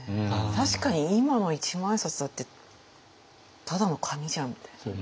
確かに今の一万円札だってただの紙じゃんみたいな。